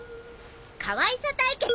かわいさ対決！